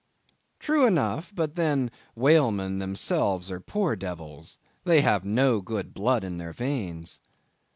True enough, but then whalemen themselves are poor devils; they have no good blood in their veins.